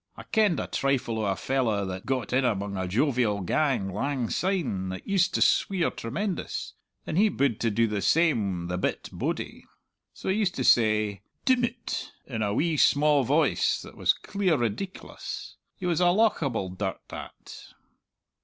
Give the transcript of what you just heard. I kenned a trifle o' a fellow that got in among a jovial gang lang syne that used to sweer tremendous, and he bude to do the same the bit bodie; so he used to say 'Dim it!' in a wee, sma voice that was clean rideec'lous. He was a lauchable dirt, that."